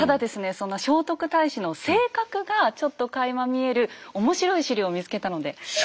そんな聖徳太子の性格がちょっとかいま見える面白い史料を見つけたのでご紹介いたします。